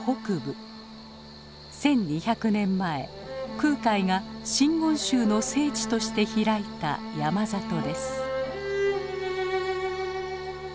１，２００年前空海が真言宗の聖地として開いた山里です。